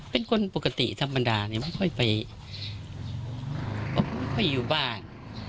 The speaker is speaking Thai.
เป็นคนปกติธรรมดาเนี่ยไม่ค่อยไปค่อยอยู่บ้าน